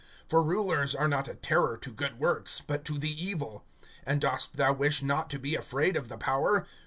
(3)For rulers are not a terror to good works, but to the evil. And dost thou wish not to be afraid of the power?